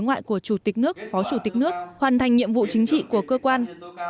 nhiệm vụ chính trị của cơ quan